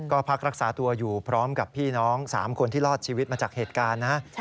ก็พักรักษาตัวอยู่พร้อมกับพี่น้อง๓คนที่รอดชีวิตมาจากเหตุการณ์นะ